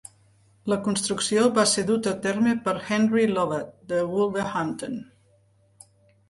La construcció va ser duta a terme per Henry Lovatt de Wolverhampton.